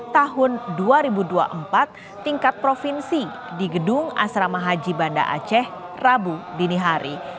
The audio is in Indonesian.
tahun dua ribu dua puluh empat tingkat provinsi di gedung asrama haji banda aceh rabu dini hari